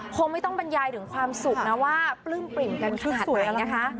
คงไม่ต้องบรรยายถึงความสุขนะว่าปลื้มปริ่มกันขนาดไหนนะคะ